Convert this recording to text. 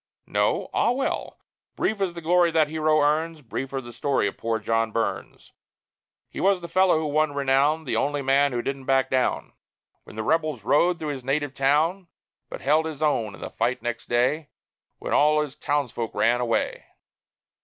No? Ah, well: Brief is the glory that hero earns, Briefer the story of poor John Burns: He was the fellow who won renown, The only man who didn't back down When the rebels rode through his native town; But held his own in the fight next day, When all his townsfolk ran away.